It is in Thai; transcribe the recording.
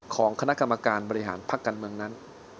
ของคณะกรรมการบริหารพักการเมืองนั้น